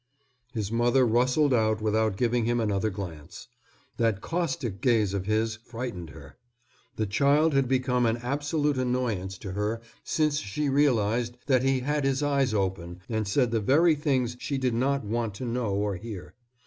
His mother rustled out without giving him another glance. That caustic gaze of his frightened her. The child had become an absolute annoyance to her since she realized that he had his eyes open and said the very things she did not want to know or hear.